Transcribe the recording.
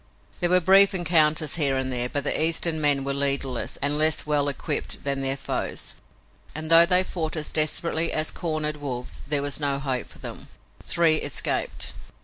There were brief encounters here and there, but the Eastern men were leaderless and less well equipped than their foes, and though they fought as desperately as cornered wolves, there was no hope for them. Three escaped.